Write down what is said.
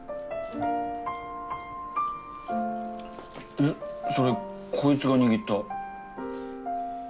えっそれこいつが握った。